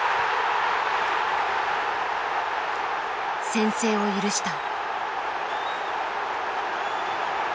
先制を許した。